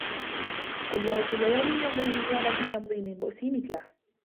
قُلْ لَهُ كُلُّ يَوْمٍ يَمْضِي مِنْ نِعَمِهِ يَمْضِي مِنْ بُؤْسِي مِثْلُهُ